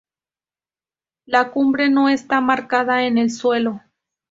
La cumbre no está marcada en el suelo.